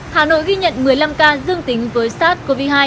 hà nội ghi nhận một mươi năm ca dương tính với sars cov hai